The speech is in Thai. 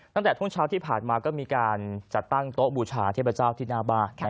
ตั้งแต่ช่วงเช้าที่ผ่านมาก็มีการจัดตั้งโต๊ะบูชาเทพเจ้าที่หน้าบ้าน